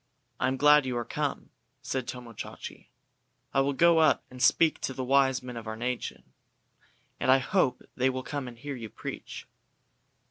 "I am glad you are come," said Tomo Chachi. "I will go up and speak to the wise men of our nation, and I hope they will come and hear you preach."